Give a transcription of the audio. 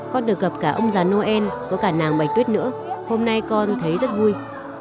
con được gặp cả ông già noel có cả nàng bạch tuyết nữa hôm nay con thấy rất vui